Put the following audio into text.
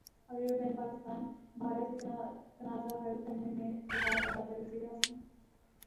عالمی بینک پاکستان بھارت بی تنازعہ حل کرنے میں کردار ادا کرے وزیراعظم